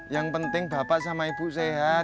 yang penting bapak sama ibu sehat